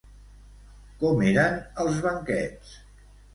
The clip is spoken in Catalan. Com eren els banquets?